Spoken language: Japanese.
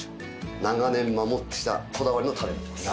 長年守ってきたこだわりのタレなんです。